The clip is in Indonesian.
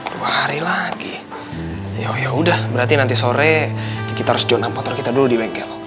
dua hari lagi yaudah berarti nanti sore kita harus jual nampak motor kita dulu di bengkel